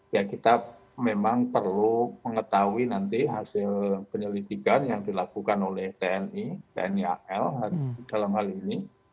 ya kita memang perlu mengetahui nanti hasil penyelidikan yang dilakukan oleh tni tni al dalam hal ini